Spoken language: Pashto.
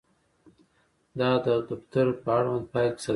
دا د دفتر په اړونده فایل کې ساتل کیږي.